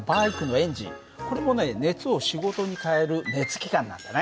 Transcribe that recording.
これもね熱を仕事に変える熱機関なんだね。